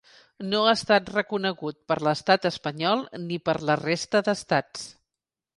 No ha estat reconegut per l’estat espanyol ni per la resta d’estats.